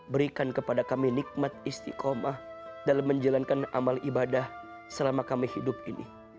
berikan kepada kami nikmat istiqomah dalam menjalankan amal ibadah selama kami hidup ini